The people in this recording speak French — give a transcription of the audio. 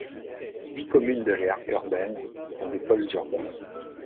Dix communes de l'aire urbaine sont des pôles urbains.